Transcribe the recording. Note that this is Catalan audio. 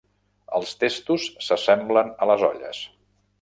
Els testos s'assemblen a les olles